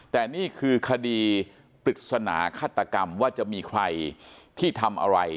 แต่นี่คือคดีปริศนาฆาตกรรมว่าจะมีใครที่ทำอะไร